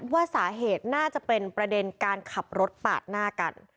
ว่าสาเหตุน่าจะเป็นประเด็นการขับรถปาดหน้ากัน